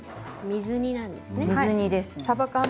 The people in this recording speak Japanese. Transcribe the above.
水煮なんですね。